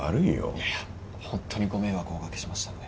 いやホントにご迷惑をおかけしましたので。